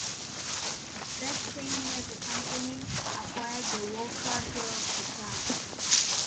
That same year, the company acquired the Walkerhill Hotel.